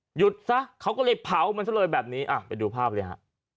หยุดซะเขาก็เลยเผามันซะเลยแบบนี้อ่ะไปดูภาพเลยฮะ